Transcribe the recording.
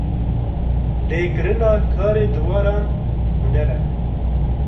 Lêkirina karê dîwaran huner e.